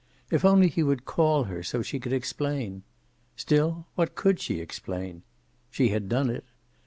If only he would call her, so she could explain. Still, what could she explain? She had done it.